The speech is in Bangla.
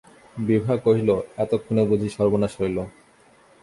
বিভা কহিল, এতক্ষণে বুঝি সর্বনাশ হইল!